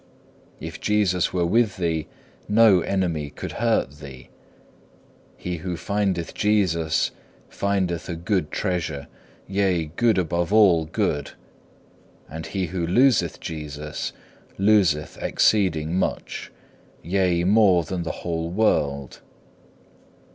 If Jesus were with thee no enemy could hurt thee. He who findeth Jesus findeth a good treasure, yea, good above all good; and he who loseth Jesus loseth exceeding much, yea, more than the whole world.